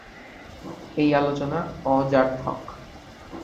এই আলোচনা অযার্থক!